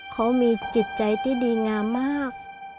เขามีจิตใจที่ดีงามมาก